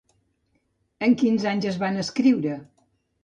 En quins anys es van escriure?